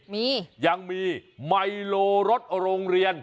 มียังมีไมโลรถโรงเรียน